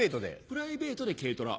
プライベートで軽トラ？